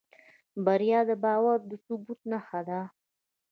بریا د باور د ثبوت نښه ده.